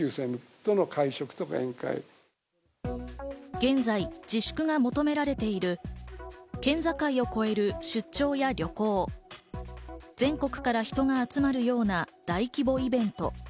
現在、自粛が求められている県境を越える出張や旅行、全国から人が集まるような大規模イベント。